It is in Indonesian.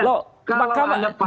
kalau ada pasangan ada hukum